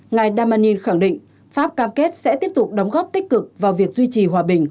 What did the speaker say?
ngài damanin khẳng định pháp cam kết sẽ tiếp tục đóng góp tích cực vào việc duy trì hòa bình